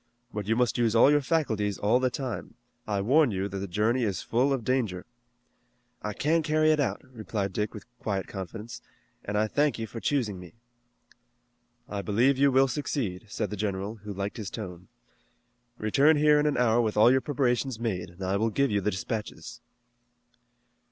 But you must use all your faculties all the time. I warn you that the journey is full of danger." "I can carry it out," replied Dick with quiet confidence, "and I thank you for choosing me." "I believe you will succeed," said the general, who liked his tone. "Return here in an hour with all your preparations made, and I will give you the dispatches."